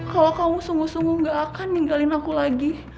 kalau kamu sungguh sungguh gak akan ninggalin aku lagi